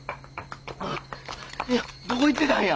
姉やんどこ行ってたんや。